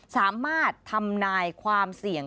สามารถทำนายความเสี่ยง